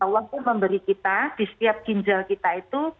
waktu memberi kita di setiap ginjal kita itu